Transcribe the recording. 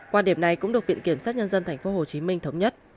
quan điểm này cũng được viện kiểm sát nhân dân tp hcm thống nhất